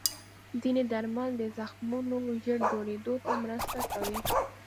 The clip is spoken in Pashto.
ځینې درمل د زخمونو ژر جوړېدو ته مرسته کوي.